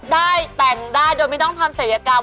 ได้แต่งได้โดยไม่ต้องทำศัยกรรม